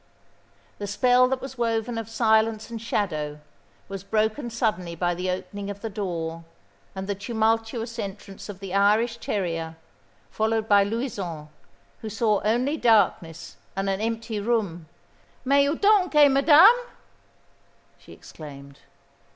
The spell that was woven of silence and shadow was broken suddenly by the opening of the door and the tumultuous entrance of the Irish terrier, followed by Louison, who saw only darkness and an empty room. "Mais où donc est Madame?" she exclaimed.